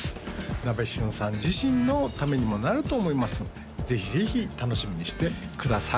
ナベシュンさん自身のためにもなると思いますのでぜひぜひ楽しみにしてください